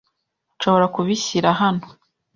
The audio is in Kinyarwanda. Nshobora kubishyira hano?